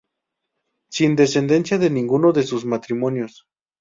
Sin descendencia de ninguno de sus matrimonios.